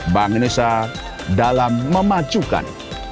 bank indonesia dalam memacukan